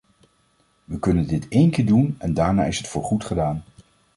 We kunnen dit één keer doen en daarna is het voorgoed gedaan.